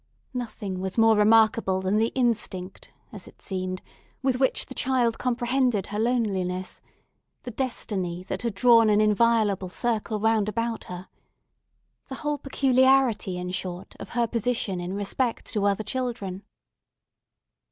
Nothing was more remarkable than the instinct, as it seemed, with which the child comprehended her loneliness: the destiny that had drawn an inviolable circle round about her: the whole peculiarity, in short, of her position in respect to other children.